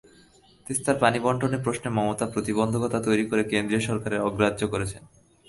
তিস্তার পানি বণ্টন প্রশ্নে মমতা প্রতিবন্ধকতা তৈরি করে কেন্দ্রীয় সরকারকে অগ্রাহ্য করছেন।